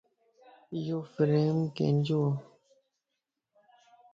ايو فريم ڪينجووَ